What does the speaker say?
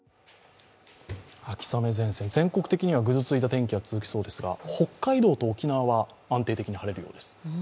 秋雨前線、全国的にはぐずついた天気が続きそうですが、北海道と沖縄は安定的に晴れるようです。